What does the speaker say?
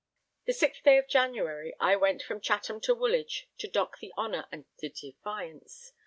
The 6th day of January I went from Chatham to Woolwich to dock the Honour and the Defiance.